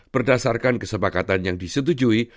berdasarkan kesepakatan yang disetujui